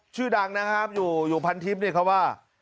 ชื่อดังนะครับอยู่พันธิบนี่เขาว่า